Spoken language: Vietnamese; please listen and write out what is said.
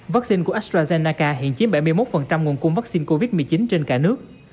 vaccine của astrazennaca hiện chiếm bảy mươi một nguồn cung vaccine covid một mươi chín trên cả nước